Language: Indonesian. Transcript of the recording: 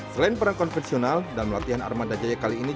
selain perang konvensional dalam latihan armada jaya kali ini